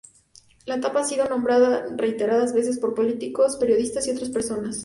La tapa ha sido nombrada reiteradas veces por políticos, periodistas y otras personas.